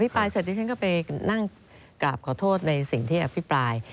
ปลายเสร็จดิฉันก็ไปนั่งกราบขอโทษในสิ่งที่อภิปราย